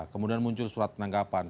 kemudian muncul surat penanggapan